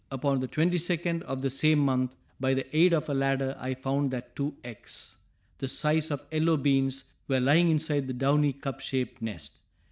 Upon the 22d of the same month, by the aid of a ladder I found that two eggs "the size of yellow beans" were lying inside the downy cup shaped nest.